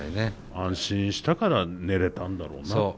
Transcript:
安心したから寝れたんだろうなって。